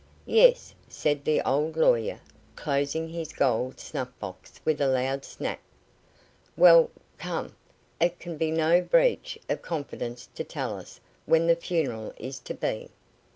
"Yes," said the old lawyer, closing his gold snuff box with a loud snap. "Well, come, it can be no breach of confidence to tell us when the funeral is to be?"